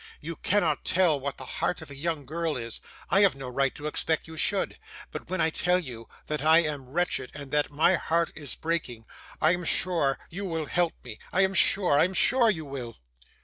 You cannot tell what the heart of a young girl is I have no right to expect you should; but when I tell you that I am wretched, and that my heart is breaking, I am sure you will help me. I am sure, I am sure you will!